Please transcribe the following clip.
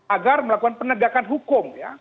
agar melakukan penegakan hukum ya